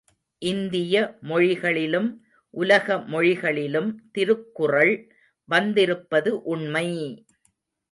இந்திய மொழிகளிலும் உலக மொழிகளிலும் திருக்குறள் வந்திருப்பது உண்மை!